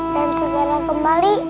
dan segera kembali